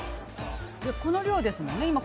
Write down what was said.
この量ですもんね。